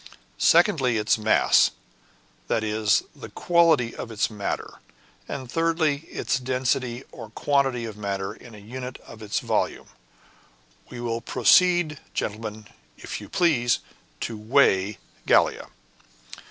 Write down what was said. Secondly, its mass, that is, the quality of its matter. And thirdly, its density or quantity of matter in a unit of its volume. We will proceed, gentlemen, if you please, to weigh Gallia."